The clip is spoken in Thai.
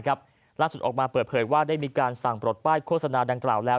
ออกมาเปิดเผยว่าได้มีการสั่งปลดป้ายโฆษณาดังกล่าวแล้ว